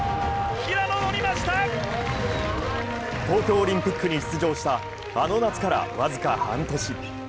東京オリンピックに出場したあの夏から、僅か半年。